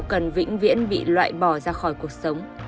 cần vĩnh viễn bị loại bỏ ra khỏi cuộc sống